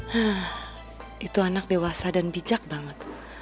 hah itu anak dewasa dan bijak banget